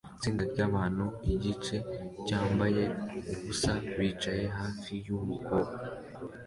Itsinda ryabantu igice cyambaye ubusa bicaye hafi yumukobwa